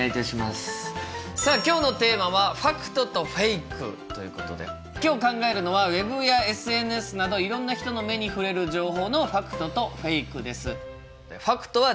さあ今日のテーマは「『ファクト』と『フェイク』」ということで今日考えるのはＷＥＢやＳＮＳなどいろんな人の目に触れる情報のファクトとフェイクです。